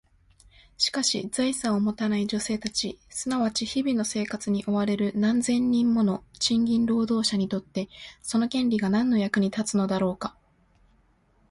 しかし、財産を持たない女性たち、すなわち日々の生活に追われる何千人もの賃金労働者にとって、その権利が何の役に立つのだろうか？